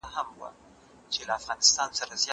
زه له سهاره مينه څرګندوم!.